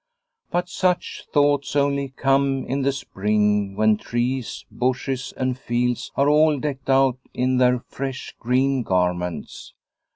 But such thoughts only come in the spring when trees, bushes, and fields are all decked out in their fresh green garments.